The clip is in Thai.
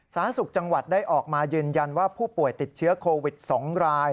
สาธารณสุขจังหวัดได้ออกมายืนยันว่าผู้ป่วยติดเชื้อโควิด๒ราย